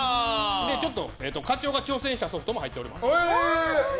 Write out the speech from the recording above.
ちょっと課長が挑戦したソフトも入っております。